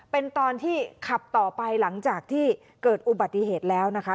เป็นตอนที่ขับต่อไปหลังจากที่เกิดอุบัติเหตุแล้วนะคะ